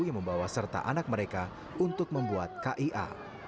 yang membawa serta anak mereka untuk membuat kia